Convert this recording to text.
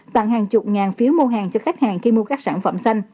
tặng hàng chục ngàn phiếu mua hàng cho khách hàng khi mua các sản phẩm xanh